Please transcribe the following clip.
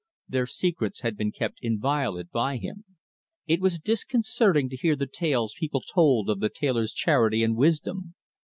Their secrets had been kept inviolate by him. It was disconcerting to hear the tales people told of the tailor's charity and wisdom.